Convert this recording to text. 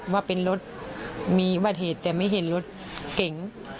ว่าเป็นรถมีวัดเหตุแต่ไม่เห็นรถเก๋ง